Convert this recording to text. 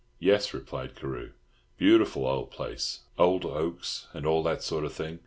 "Yes," replied Carew. "Beautiful old place. Old oaks, and all that sort of thing.